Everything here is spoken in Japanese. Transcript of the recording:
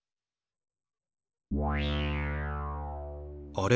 あれ？